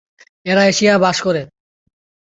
এরা এশিয়ায় বাস করে।